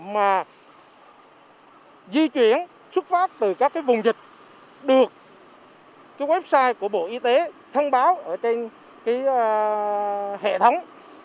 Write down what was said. mà di chuyển xuất phát từ các vùng dịch được website của bộ y tế thông báo ở trên hệ thống